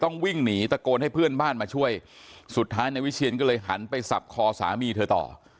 วิ่งหนีตะโกนให้เพื่อนบ้านมาช่วยสุดท้ายนายวิเชียนก็เลยหันไปสับคอสามีเธอต่อ